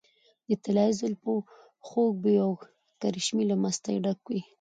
د طلايي زلفو خوږ بوي او کرشمې له مستۍ ډکې وې .